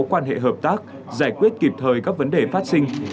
quan hệ hợp tác giải quyết kịp thời các vấn đề phát sinh